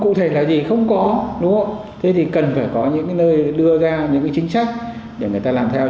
cụ thể là gì không có đúng không thế thì cần phải có những nơi đưa ra những chính sách để người ta làm theo